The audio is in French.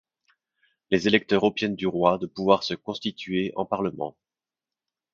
Les électeurs obtiennent du roi de pouvoir se constituer en parlement.